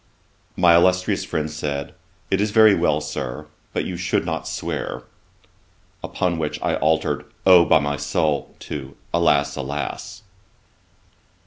My illustrious friend said, 'It is very well, Sir; but you should not swear.' Upon which I altered 'O! by my soul,' to 'alas, alas!'